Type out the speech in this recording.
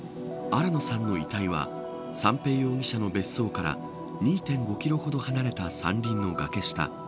新野さんの遺体は三瓶容疑者の別荘から２．５キロほど離れた山林の崖下